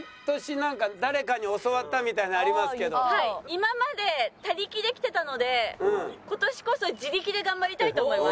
今まで他力で来てたので今年こそ自力で頑張りたいと思います。